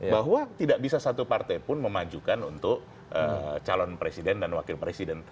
bahwa tidak bisa satu partai pun memajukan untuk calon presiden dan wakil presiden